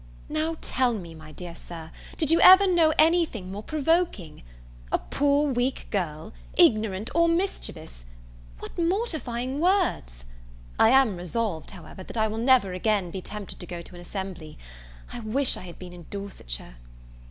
Now, tell me, my dear Sir, did you ever know any thing more provoking? "A poor weak girl!" "ignorant or mischievous!" What mortifying words! I am resolved, however, that I will never again be tempted to go to an assembly. I wish I had been in Dorsetshire.